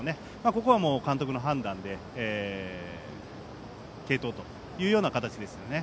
ここはもう監督の判断で継投というような形ですね。